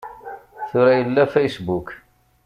Tura yella Facebook!